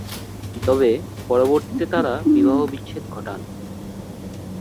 তবে, পরবর্তীতে তারা বিবাহ-বিচ্ছেদ ঘটান।